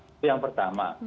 itu yang pertama